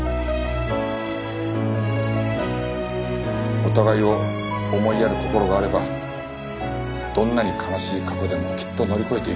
お互いを思いやる心があればどんなに悲しい過去でもきっと乗り越えていける。